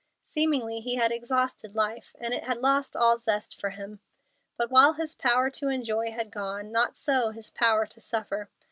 Seemingly, he had exhausted life, and it had lost all zest for him. But while his power to enjoy had gone, not so his power to suffer.